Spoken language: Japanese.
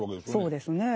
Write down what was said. そうですねえ。